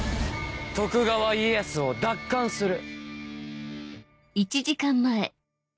徳川家康を奪還する。